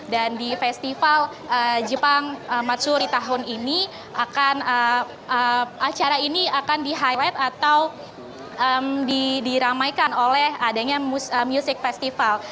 dan di festival jepang matsuri tahun ini akan acara ini akan di highlight atau diramaikan oleh adanya music festival